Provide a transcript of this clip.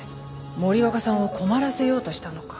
森若さんを困らせようとしたのか。